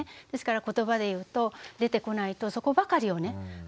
ですからことばで言うと出てこないとそこばかりをね